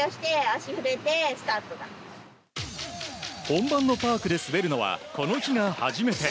本番のパークで滑るのはこの日が初めて。